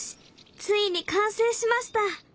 ついに完成しました！